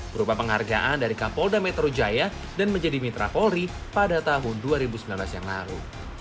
berupa penghargaan dari kapolda metro jaya dan menjadi mitra polri pada tahun dua ribu sembilan belas yang lalu